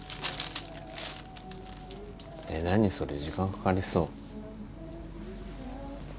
えっ何それ時間かかりそう。